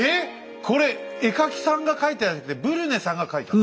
これ絵描きさんが描いたんじゃなくてブリュネさんが描いたの？